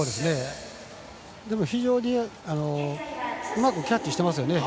でも非常にうまくキャッチしてますね。